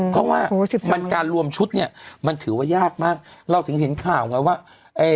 คิดว่าการรวมชุดนี้มันถือว่ายากมากเราถึงเห็นข่าวไงว่า